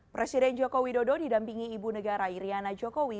presiden jokowi dodo didampingi ibu negara iryana jokowi